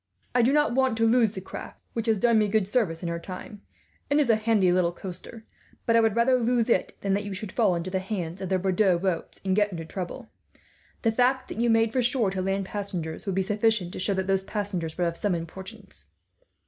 "I do not want to lose the craft, which has done me good service in her time, and is a handy little coaster; but I would rather lose it, than that you should fall into the hands of the Bordeaux boats and get into trouble. The fact that you made for shore, to land passengers, would be sufficient to show that those passengers were of some importance.